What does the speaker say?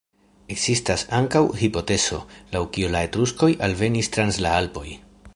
Ekzistas ankaŭ hipotezo, laŭ kiu la etruskoj alvenis trans la Alpoj.